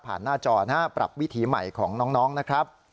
ผ่านหน้าจอนะครับปรับวิธีใหม่ของน้องนะครับ